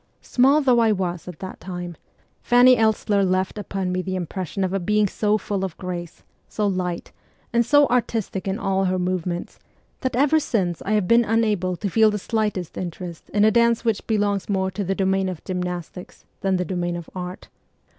Small though I was at that time, Fanny Elssler left upon me the impression of a being so full of grace, so light, and so artistic in all her movements, that ever since I have been unable to feel the slightest interest in a dance which 24 MEMOIRS OF A REVOLUTIONIST belongs more to the domain of gymnastics than to the domain of art.